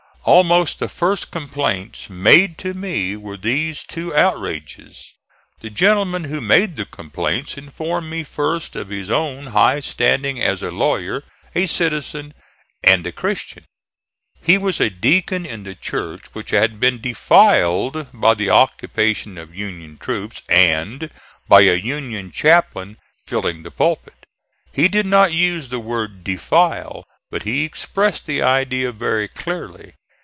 Almost the first complaints made to me were these two outrages. The gentleman who made the complaints informed me first of his own high standing as a lawyer, a citizen and a Christian. He was a deacon in the church which had been defiled by the occupation of Union troops, and by a Union chaplain filling the pulpit. He did not use the word "defile," but he expressed the idea very clearly.